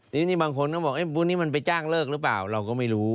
ทีนี้บางคนก็บอกพวกนี้มันไปจ้างเลิกหรือเปล่าเราก็ไม่รู้